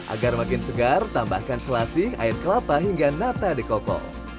agar makin segar tambahkan selasi air kelapa hingga nata de coco